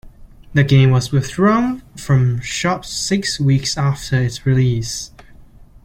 The game was withdrawn from shops six weeks after its release.